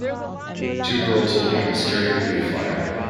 two girls holding up a scary movie flyer